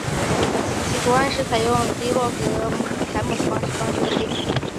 其图案是采用滴落和揩抹的方法装饰在坯体上。